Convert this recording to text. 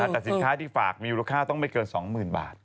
แต่สินค้าที่ฝากมีราคาต้องไม่เกิน๒หมื่นบาท